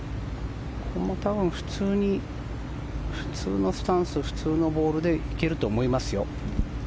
ここも多分普通に普通のスタンス普通のボールで行けると思いますよ。